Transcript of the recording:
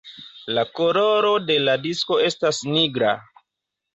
La koloro de la disko estas nigra.